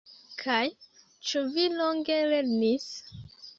Kaj ĉu vi longe lernis?